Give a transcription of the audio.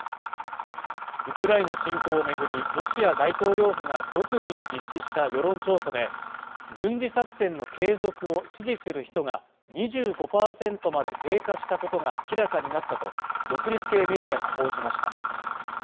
ウクライナ侵攻をめぐりロシア大統領府が独自に実施した世論調査で軍事作戦の継続を支持する人が２５％まで低下したことが明らかになったと独立系メディアが報じました